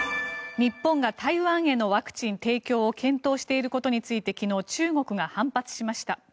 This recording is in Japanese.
日本が台湾へのワクチン提供を検討していることについて昨日、中国が反発しました。